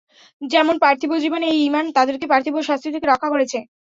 যেমন পার্থিব জীবনে এই ঈমান তাদেরকে পার্থিব শাস্তি থেকে রক্ষা করেছে?